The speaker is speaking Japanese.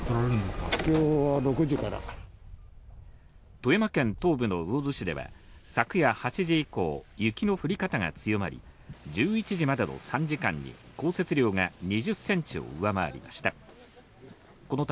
富山県東部の魚津市では昨夜８時以降、雪の降り方が強まり、１１時までの３時間に降雪量が２０ｃｍを上回りました。